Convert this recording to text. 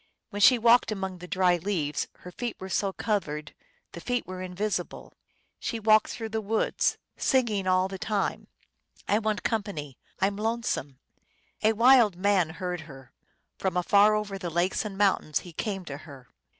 When she walked among the dry leaves Her feet were so covered The feet were invisible. She walked through the woods, Singing all the time, I want company ; I m lonesome ! A wild man heard her : From afar over the lakes and mountains He came to her.